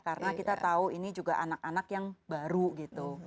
karena kita tahu ini juga anak anak yang baru gitu